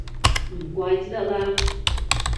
唔怪之得啦